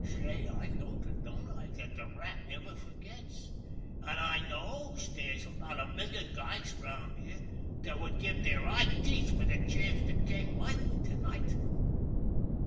Say, I knows it, don't I, dat de Rat never forgets; an' I knows dere's about a million guys around here dat would give deir eye teeth for de chance dat came my way to night!"